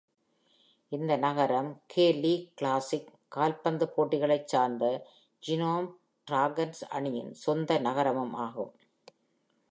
இந்த நகரம் K league classic கால்பந்து போட்டிகளைச் சார்ந்த ஜீனோம் டிராகன்ஸ் அணியின் சொந்த நகரமும் ஆகும்.